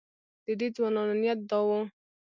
د دې ځوانانو نیت دا و.